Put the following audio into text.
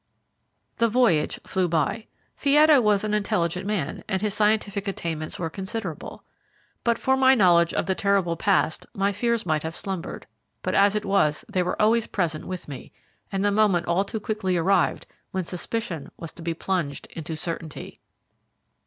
The voyage flew by. Fietta was an intelligent man, and his scientific attainments were considerable. But for my knowledge of the terrible past my fears might have slumbered, but as it was they were always present with me, and the moment all too quickly arrived when suspicion was to be plunged into certainty.